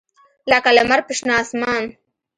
لکه لمر په شنه اسمان